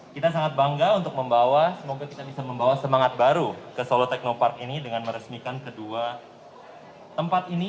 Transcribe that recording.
kita sangat bangga untuk membawa semangat baru ke solo technopark ini dengan meresmikan kedua tempat ini